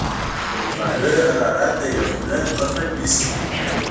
د بخارۍ حرارت د یخنۍ مخه نیسي.